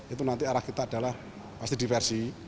itu nanti arah kita adalah pasti diversi